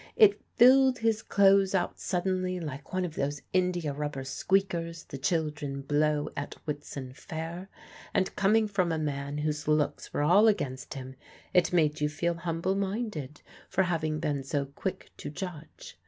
It filled his clothes out suddenly like one of those indiarubber squeakers the children blow at Whitsun Fair; and coming from a man whose looks were all against him, it made you feel humble minded for having been so quick to judge.